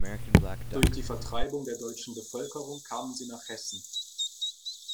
Durch die Vertreibung der deutschen Bevölkerung kamen sie nach Hessen.